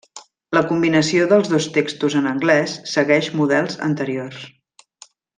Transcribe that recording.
La combinació dels dos textos en anglès segueix models anteriors.